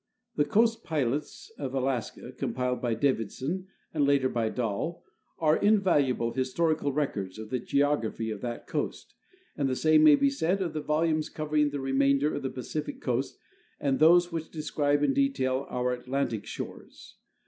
The Coast Pilots of Alaska, compiled b}' Davidson and later by Dall, are invaluable historical records of the geography of that coast, and the same ma}'' be said of the volumes covering the remainder of the Pacific coast and those which describe in detail our Atlantic shores.